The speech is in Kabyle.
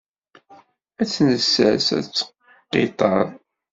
Ad tt-nessers ad teqqiṭṭer.